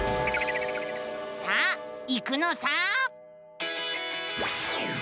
さあ行くのさ！